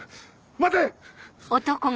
待て！